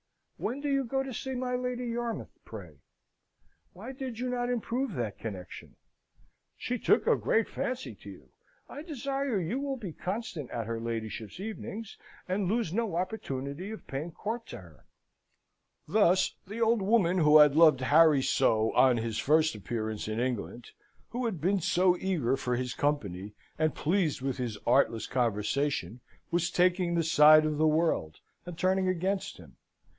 When did you go to see my Lady Yarmouth, pray? Why did you not improve that connexion? She took a great fancy to you. I desire you will be constant at her ladyship's evenings, and lose no opportunity of paying court to her." Thus the old woman who had loved Harry so on his first appearance in England, who had been so eager for his company, and pleased with his artless conversation, was taking the side of the world, and turning against him.